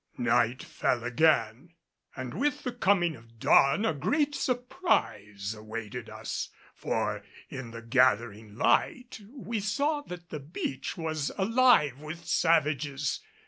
Night fell again; and with the coming of dawn a great surprise awaited us, for in the gathering light, we saw that the beach was alive with savages.